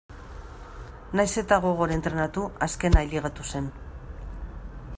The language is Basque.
Nahiz eta gogor entrenatu azkena ailegatu zen.